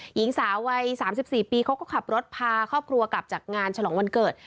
หญิงสาววัย๓๔ปีเขาก็ขับรถพาครอบครัวกลับจากงานฉลองวันเกิด